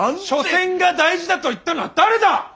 緒戦が大事だと言ったのは誰だ！